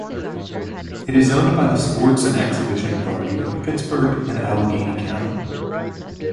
It is owned by the Sports and Exhibition Authority of Pittsburgh and Allegheny County.